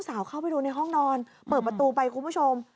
สาวเข้าไปดูในห้องนอนเปิดประตูไปคุณผู้ชม